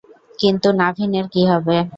কিন্তু নাভিনের কী হবে?